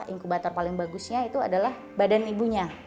inkubator paling bagusnya itu adalah badan ibunya